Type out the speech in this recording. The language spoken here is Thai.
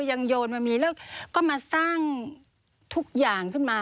โยนมามีแล้วก็มาสร้างทุกอย่างขึ้นมา